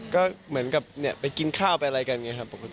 ก็เหมือนกับไปกินข้าวไปอะไรกันอย่างนี้ครับปกติ